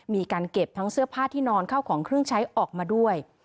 มีการเก็บทั้งเสื้อผ้าที่นอนเข้าของเครื่องใช้ออกมาด้วย